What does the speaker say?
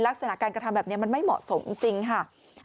ลักษณะการกระทำแบบนี้มันไม่เหมาะสมจริงค่ะ